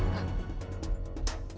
aku bisa membunuhmu